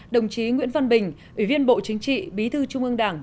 đồng chí nguyễn văn bình ủy viên bộ chính trị bí thư trung ương đảng